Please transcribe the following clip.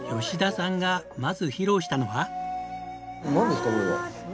吉田さんがまず披露したのは。